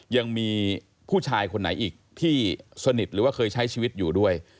ยังมีผู้ชายคนไหนอีกที่สนิทหรือว่าเคยใช้ชีวิตอยู่ด้วย